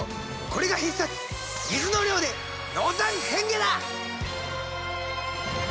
これが必殺水の量で濃淡変化だ！